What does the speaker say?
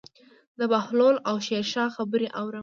د بهلول او شیرشاه خبرې اورم.